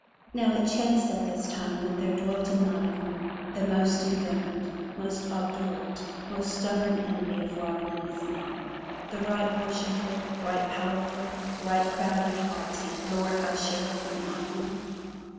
Now it chanced at this time that there dwelt in Nottingham the most inveterate, most obdurate, most stubborn enemy of Robin and his men, the right worshipful, right powerful, right proud and haughty Lord High Sheriff of Nottingham.